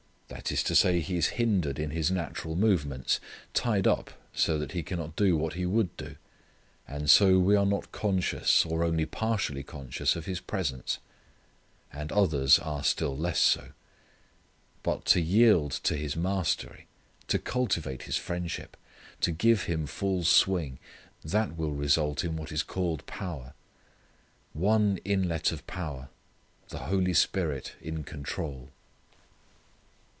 That is to say He is hindered in His natural movements; tied up, so that He cannot do what He would. And so we are not conscious or only partially conscious of His presence. And others are still less so. But to yield to His mastery, to cultivate His friendship, to give Him full swing that will result in what is called power. One inlet of power the Holy Spirit in control.